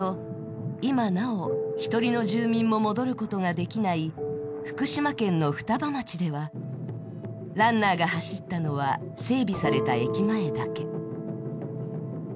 けれど、今なお一人の住民も戻ることができない福島県の双葉町ではランナーが走ったのは整備された駅前だけ。